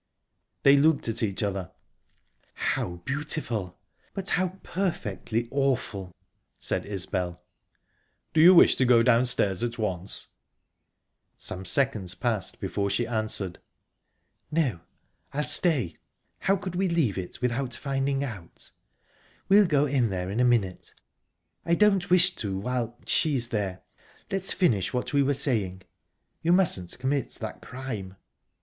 They looked at each other. "How beautiful!...but how perfectly awful!" said Isbel. "Do you wish to go downstairs at once?" Some seconds passed before she answered. "No, I'll stay. How could we leave it without finding out?... We'll go in there in a minute. I don't wish to while she's there. Let's finish what we were saying...You mustn't commit that crime."